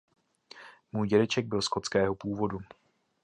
Můj dědeček byl skotského původu.